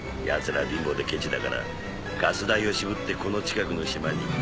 奴らは貧乏でケチだからガス代を渋ってこの近くの島に。